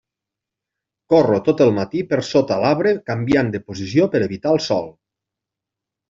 Corro tot el matí per sota l'arbre canviant de posició per evitar el sol.